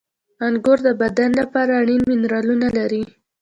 • انګور د بدن لپاره اړین منرالونه لري.